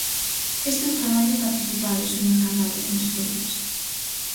Este é un traballo participado, señor Cadrado, entre todos.